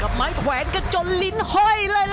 เร็วกับม้ายแขวงจนลิ้นห้อยเลย